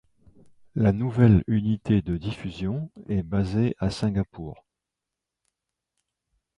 La nouvelle unité de diffusion est basée à Singapour.